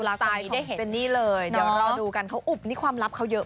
ตามสไตล์ของเจนี่เลยเดี๋ยวเราดูกันเขาอุบความลับเยอะมากเลยนะ